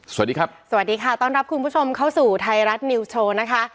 สวัสดีครับสวัสดีค่ะต้อนรับคุณผู้ชมเข้าสู่ไทยรัฐนิวส์โชว์นะคะ